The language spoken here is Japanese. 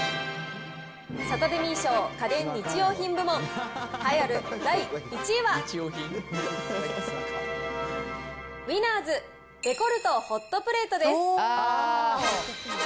サタデミー賞家電・日用品部門、栄えある第１位は、ウィナーズ、レコルトホットプレートです。